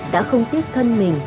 đã không tiếc thân mình